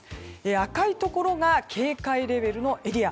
赤いところが警戒レベルのエリア。